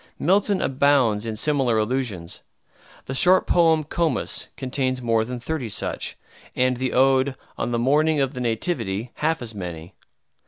Milton abounds in similar allusions. The short poem "Comus" contains more than thirty such, and the ode "On the Morning of the Nativity" half as many.